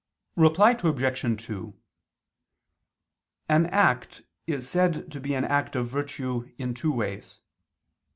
Reply Obj. 2: An act is said to be an act of virtue in two ways.